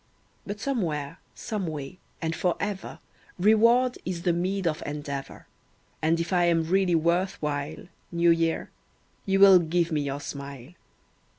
But somewhere, some way, and for ever Reward is the meed of endeavour; And if I am really worth while, New Year, you will give me your smile.